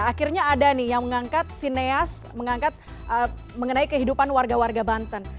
akhirnya ada nih yang mengangkat sineas mengangkat mengenai kehidupan warga warga banten